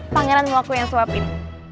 pangeran mau aku yang suapin